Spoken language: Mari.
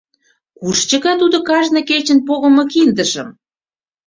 Куш чыка тудо кажне кечын погымо киндыжым?